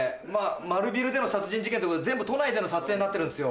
丸ビルでの殺人事件ってことで全部都内での撮影になってるんですよ。